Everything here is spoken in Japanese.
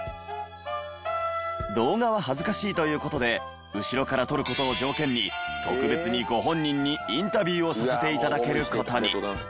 動画は恥ずかしいという事で後ろから撮る事を条件に特別にご本人にインタビューをさせていただける事に。